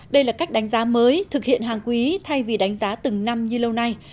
đây là cách đánh giá mới thực hiện hàng quý thay vì đánh giá từng năm như lâu nay